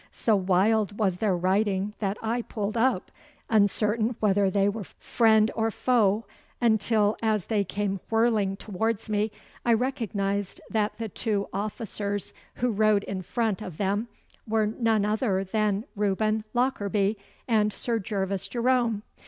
So wild was their riding that I pulled up, uncertain whether they were friend or foe, until, as they came whirling towards me, I recognised that the two officers who rode in front of them were none other than Reuben Lockarby and Sir Gervas Jerome.